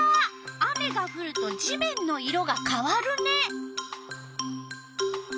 雨がふると地面の色がかわるね。